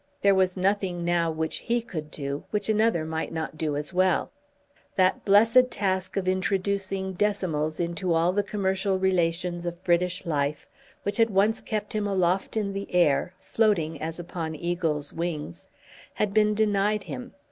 There was nothing now which he could do, which another might not do as well. That blessed task of introducing decimals into all the commercial relations of British life, which had once kept him aloft in the air, floating as upon eagle's wings, had been denied him.